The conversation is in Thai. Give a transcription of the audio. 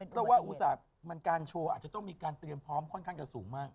เพราะว่าอุตส่าห์มันการโชว์อาจจะต้องมีการเตรียมพร้อมค่อนข้างจะสูงมาก